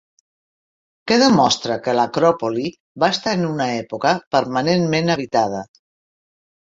Què demostra que l'Acròpoli va estar en una època permanentment habitada?